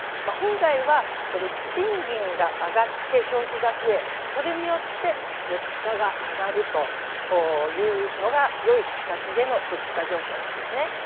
本来は、賃金が上がって消費が増え、それによって物価が上がるというのがよい形での物価上昇なんですね。